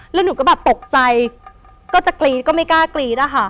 แล้วหนูก็แบบตกใจก็จะกรี๊ดก็ไม่กล้ากรี๊ดอะค่ะ